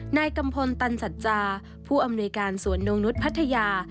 กัมพลตันสัจจาผู้อำนวยการสวนนงนุษย์พัทยา